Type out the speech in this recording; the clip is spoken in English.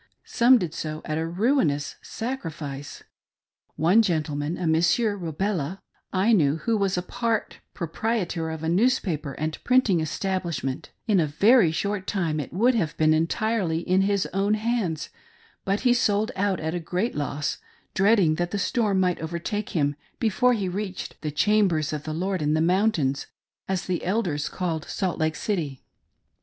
Some did so at a ruinous sacrifice. One gentleman — a Monsieur Robella — I knew, who was part proprietor of a newspaper and printing establishment In a very short time it would have been entirely in his own hands ; but he sold out at a great loss, dreading that the storm might overtake him before he reached the " Chambers of the Lord in the Mountains," as the Elders called Salt Lake City.